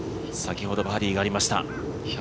先ほどバーディーがありました。